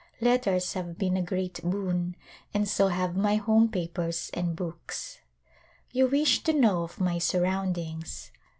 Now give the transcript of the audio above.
Letters have been a great boon and so have my home papers and books. You wish to know of my surroundings.